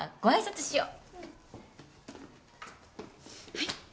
はい！